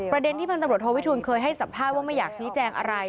ประเด็นที่พันตำรวจโทวิทูลเคยให้สัมภาษณ์ว่าไม่อยากชี้แจงอะไร